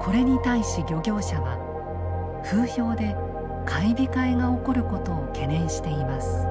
これに対し漁業者は風評で買い控えが起こることを懸念しています。